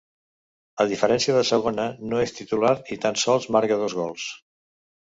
A diferència de Segona, no és titular i tan sols marca dos gols.